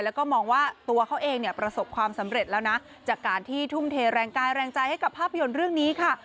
แล้วก็มองว่าตัวเขาเองเนี่ยประสบความสำเร็จแล้วนะจากการที่ทุ่มเทแรงกายแรงใจให้กับภาพยนตร์เรื่องนี้ค่ะ